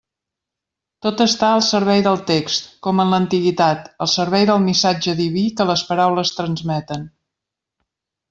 Tot està al servei del text, com en l'antiguitat; al servei del missatge diví que les paraules transmeten.